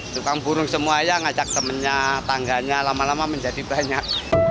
dukang burung semua ngajak temannya tangganya lama lama menjadi banyak